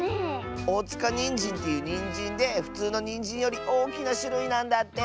おおつかにんじんっていうにんじんでふつうのにんじんよりおおきなしゅるいなんだって！